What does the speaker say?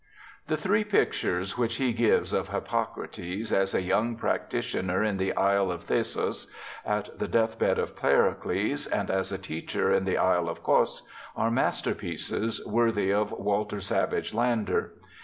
The three pictures' which he gives of Hippocrates, as a 3'oung practitioner in the Isle of Thasos, at the death bed of Pericles, and as a teacher in the Isle of Cos, are masterpieces worthy of Walter Savage Landor.